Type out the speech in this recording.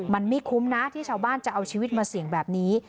มันไม่คุ้มนะที่ชาวบ้านจะเอาชีวิตมาเสี่ยงแบบนี้